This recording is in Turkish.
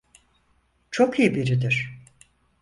Çok iyi biridir.